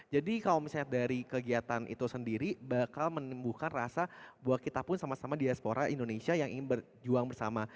jadi kalau misalnya dari kegiatan itu sendiri bakal menumbuhkan rasa buat kita pun sama sama diaspora indonesia yang ingin berjuang bersama